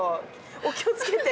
お気をつけて。